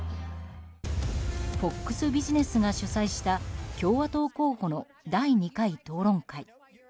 ＦＯＸビジネスが主催した共和党候補の第２回討論会。